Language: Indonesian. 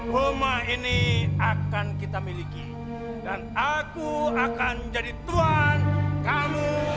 rumah ini akan kita miliki dan aku akan menjadi tuan kamu